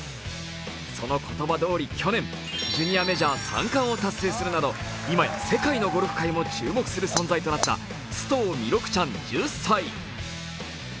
その言葉どおり去年、ジュニアメジャー３冠を達成するなど今や世界のゴルフ界も注目する存在となった須藤弥勒ちゃん１０歳。